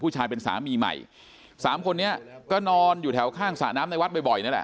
ผู้ชายเป็นสามีใหม่สามคนนี้ก็นอนอยู่แถวข้างสระน้ำในวัดบ่อยบ่อยนั่นแหละ